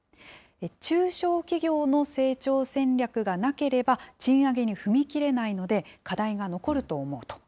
中小企業の成長戦略がなければ、賃上げに踏み切れないので、課題が残ると思うと。